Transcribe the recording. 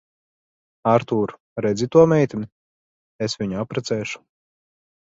Artūr, redzi to meiteni? Es viņu apprecēšu.